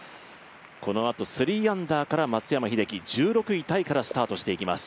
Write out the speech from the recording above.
このあと３アンダーから松山英樹、１６位タイからスタートしていきます。